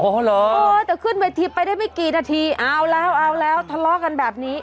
เออแต่ขึ้นเวทีไปได้ไม่กี่นาทีเอาแล้วเอาแล้วทะเลาะกันแบบนี้